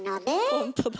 ほんとだ。